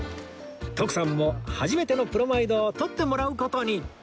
徳さんも初めてのプロマイドを撮ってもらう事に！